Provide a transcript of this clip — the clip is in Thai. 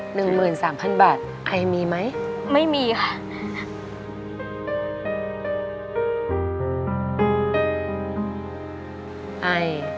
หนึ่งหมื่นสามพันบาทไอมีไหมไม่มีค่ะ